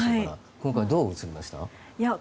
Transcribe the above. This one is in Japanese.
今回、どう映りました？